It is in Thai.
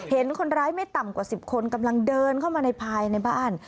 เห็นคนร้ายไม่ต่ำกว่า๑๐คนกำลังเดินเข้ามาในภายในบ้าน